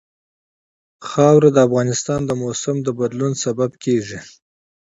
خاوره د افغانستان د موسم د بدلون سبب کېږي.